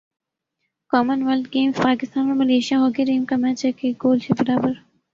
common wealth games Pakistan اور Malaysia hockey team کا match ایک ایک گول سے برابر